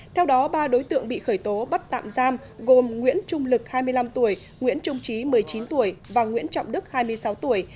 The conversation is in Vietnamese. theo đó ba đối tượng bị khởi tố bắt tạm giam gồm nguyễn trung lực hai mươi năm tuổi nguyễn trung trí một mươi chín tuổi và nguyễn trọng đức hai mươi sáu tuổi